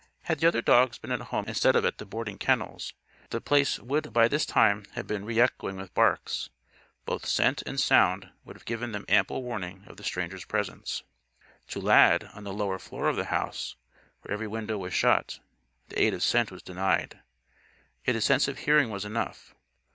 Had the other dogs been at home instead of at the boarding kennels, The Place would by this time have been re echoing with barks. Both scent and sound would have given them ample warning of the stranger's presence. To Lad, on the lower floor of the house, where every window was shut, the aid of scent was denied. Yet his sense of hearing was enough.